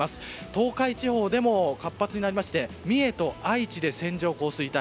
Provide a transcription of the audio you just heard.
東海地方でも活発になりまして三重と愛知で線上降水帯。